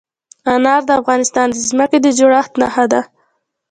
انار د افغانستان د ځمکې د جوړښت نښه ده.